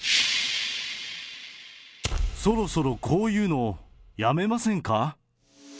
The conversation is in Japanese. そろそろこういうのやめませんか。